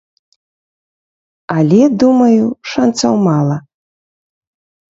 Але, думаю, шанцаў мала.